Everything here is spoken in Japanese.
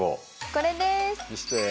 これです。